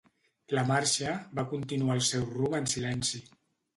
La marxa va continuar el seu rumb en silenci.